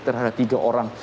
terhadap tiga orang